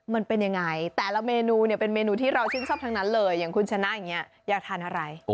มันเป็นยังไงแต่ละเมนูเนี่ยเป็นเมนูที่เราชื่นชอบทั้งนั้นเลยอย่างคุณชนะอย่างนี้อยากทานอะไร